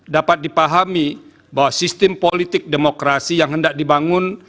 dapat dipahami bahwa sistem politik demokrasi yang hendak dibangun